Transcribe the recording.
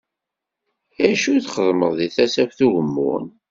Acu i txeddmeḍ di Tasaft Ugemmun?